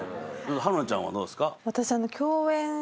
春奈ちゃんはどうですか？